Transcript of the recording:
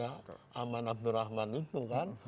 aman abdurrahman itu kan